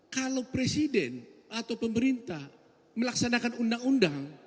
kalau presiden atau pemerintah melaksanakan undang undang